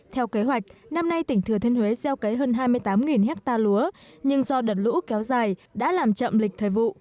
theo kế hoạch năm nay tỉnh thừa thiên huế gieo cấy hơn hai mươi tám hectare lúa nhưng do đợt lũ kéo dài đã làm chậm lịch thời vụ